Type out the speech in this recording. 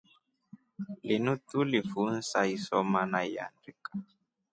Linu tulifunsa isoma na iandika.